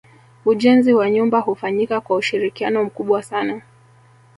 Ujenzi wa nyumba hufanyika kwa ushirikiano mkubwa sana